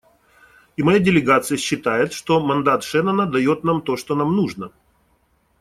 И моя делегация считает, что мандат Шеннона дает нам то, что нам нужно.